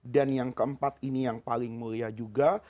dan yang keempat ini yang paling mulia juga